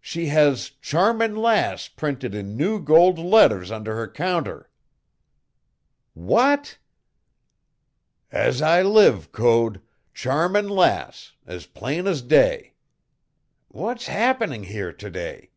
She has Charming Lass printed in new gold letters under her counter!" "What?" "As I live, Code. Charming Lass, as plain as day! What's happening here to day?